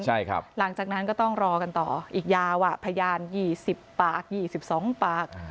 ใช่ครับหลังจากนั้นก็ต้องรอกันต่ออีกยาวพยาน๒๐ปาก๒๒ปาก